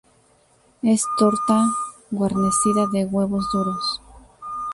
Es torta guarnecida de huevos duros.